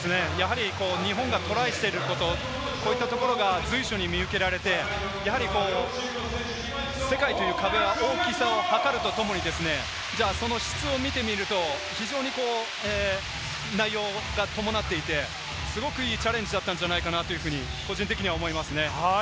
日本がトライしていること、こういったところが随所に見受けられて、世界という壁の大きさが分かるとともに、その質を見てみると、非常に内容が伴っていて、すごくいいチャレンジだったんじゃないかなと個人的には思いますね。